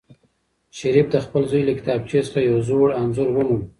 شریف د خپل زوی له کتابچې څخه یو زوړ انځور وموند.